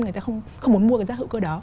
người ta không muốn mua cái rác hữu cơ đó